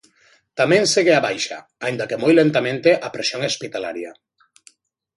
Tamén segue a baixa, aínda que moi lentamente, a presión hospitalaria.